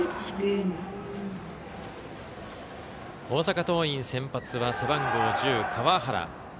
大阪桐蔭先発は背番号１０、川原。